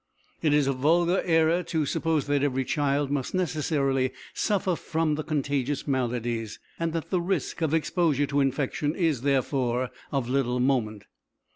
It is a vulgar error to suppose that every child must necessarily suffer from the contagious maladies, and that the risk of exposure to infection is, therefore, of little moment.